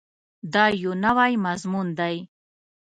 دا یو نوی مضمون دی.